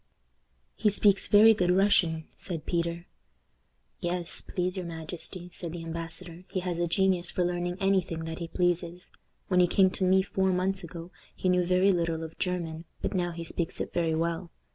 "He speaks very good Russian," said Peter. "Yes, please your majesty," said the embassador, "he has a genius for learning any thing that he pleases. When he came to me four months ago he knew very little of German, but now he speaks it very well.